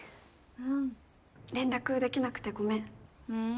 うん連絡できなくてごめんううん